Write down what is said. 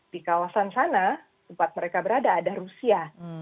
di kawasan sana tempat mereka berada ada rusia